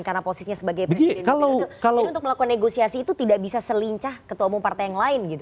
karena posisinya sebagai presiden jadi untuk melakukan negosiasi itu tidak bisa selincah ketua umum partai yang lain gitu